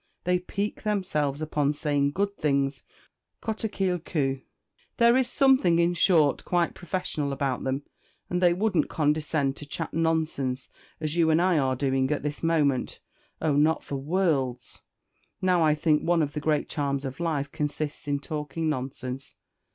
They pique themselves upon saying good things côitte qu'il coûte. There is something, in short, quite professional about them; and they wouldn't condescend to chat nonsense as you and I are doing at this moment oh! not for worlds! Now, I think one of the great charms of life consists in talking nonsense.